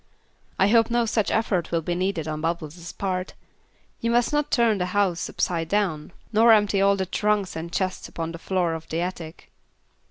"I hope no such effort will be needed on Bubbles' part. You must not turn the house upside down, nor empty all the trunks and chests upon the floor of the attic."